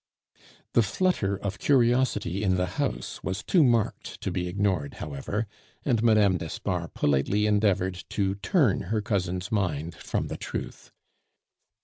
The flutter of curiosity in the house was too marked to be ignored, however, and Mme. d'Espard politely endeavored to turn her cousin's mind from the truth.